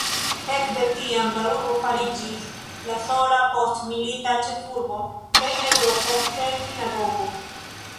Ekde tiam, la urbo fariĝis la sola postmilita ĉefurbo de Eŭropo sen sinagogo.